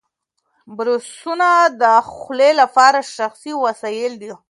برسونه د خولې لپاره شخصي وسایل دي.